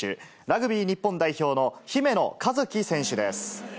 ラグビー日本代表の姫野和樹選手です。